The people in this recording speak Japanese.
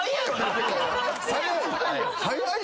早い。